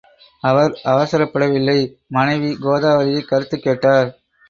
அவர் அவசரப்படவில்லை மனைவி கோதாவரியைக் கருத்துக் கேட்டார்.